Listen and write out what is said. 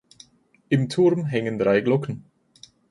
Im Turm hängen drei Glocken.